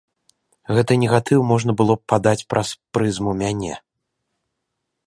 Гэты негатыў можна было б падаць праз прызму мяне.